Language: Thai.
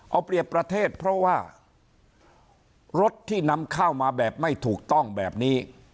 เอาเปรียบประเทศเพราะว่ารถที่นำเข้ามาแบบไม่ถูกต้องแบบนี้